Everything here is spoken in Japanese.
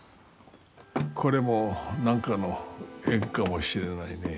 これも何かの縁かもしれないね。